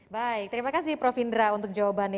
baik terima kasih prof indra untuk jawabannya